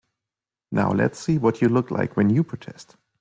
Now let's see what you look like when you protest.